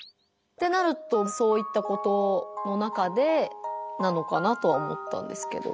ってなるとそういったことの中でなのかなとは思ったんですけど。